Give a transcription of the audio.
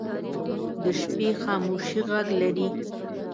د شپې خاموشي غږ لري